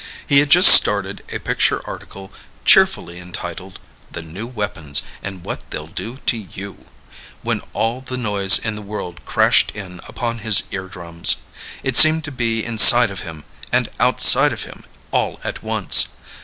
He had just started a picture article cheerfully entitled "The New Weapons and What They'll Do To YOU", when all the noise in the world crashed in upon his ear drums. It seemed to be inside of him and outside of him all at once.